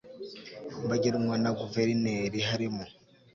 bagenwa na guverineri harimo